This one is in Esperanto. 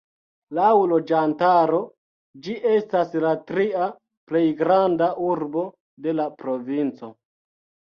Laŭ loĝantaro ĝi estas la tria plej granda urbo de la provinco.